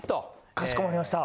かしこまりました。